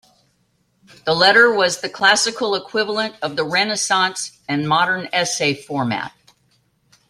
The Letter was the classical equivalent of the Renaissance and modern Essay format.